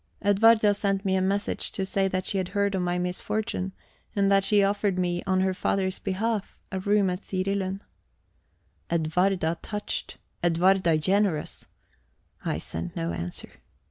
Edwarda sent me a message to say she had heard of my misfortune and that she offered me, on her father's behalf, a room at Sirilund. Edwarda touched! Edwarda generous! I sent no answer.